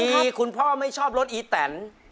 มีคุณพ่อไม่ชอบรถอีแตน